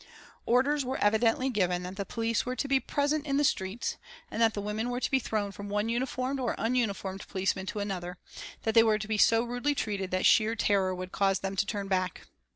Orders were evidently given that the police were to be present in the streets, and that the women were to be thrown from one uniformed or ununiformed policeman to another, that they were to be so rudely treated that sheer terror would cause them to turn back.